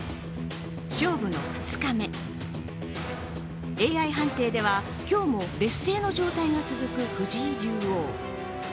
勝負の２日目、ＡＩ判定では今日も劣勢の状態が続く藤井竜王。